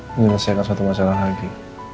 menyelesaikan satu masalah lagi